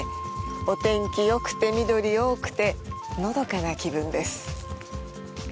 お天気がよくて、緑が多くて、のどかな気分です。